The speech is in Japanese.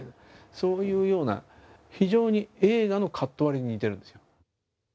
そういうような非常に映画のカット割りに似てるんですよ。